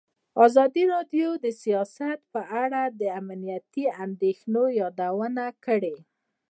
ازادي راډیو د سیاست په اړه د امنیتي اندېښنو یادونه کړې.